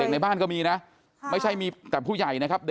ในบ้านก็มีนะไม่ใช่มีแต่ผู้ใหญ่นะครับ